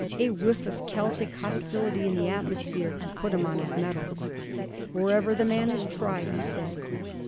A whiff of Celtic hostility in the atmosphere put him on his mettle. 'Wherever the man is tried,' he said.